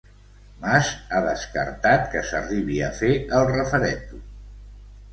Mas ha descartat que s'arribi a fer el referèndum